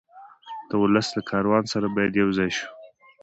د ولس له کاروان سره باید یو ځای شو.